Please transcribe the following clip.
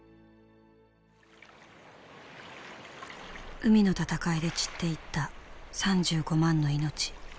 海の戦いで散っていった３５万の命。